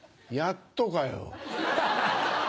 やっとかよ。